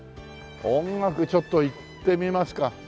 音楽ちょっと行ってみますか。